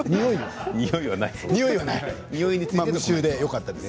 においはないそうです。